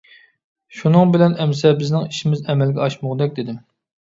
شۇنىڭ بىلەن، ئەمىسە، بىزنىڭ ئىشىمىز ئەمەلگە ئاشمىغۇدەك دېدىم.